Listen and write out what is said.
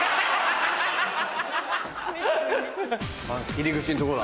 入り口のとこだ。